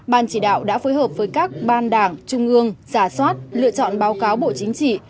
ban chỉ đạo đã phối hợp với các ban đảng trung ương giả soát lựa chọn báo cáo bộ chính trị